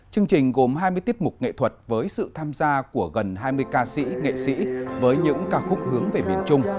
chương trình gồm hai mươi tiết mục nghệ thuật với sự tham gia của gần hai mươi ca sĩ nghệ sĩ với những ca khúc hướng về miền trung